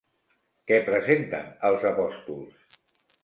Què presenten els apòstols?